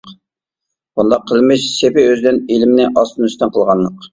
بۇنداق قىلمىش سېپى ئۆزىدىن ئىلىمنى ئاستىن-ئۈستۈن قىلغانلىق.